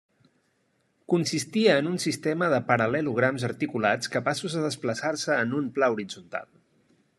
Consistia en un sistema de paral·lelograms articulats, capaços de desplaçar-se en un pla horitzontal.